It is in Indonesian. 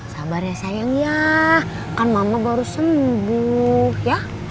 sabar ya sayang ya kan mama baru sembuh ya